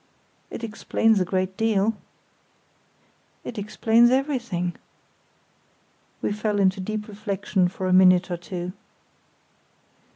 "It explains a good deal." "It explains everything." We fell into deep reflexion for a minute or two.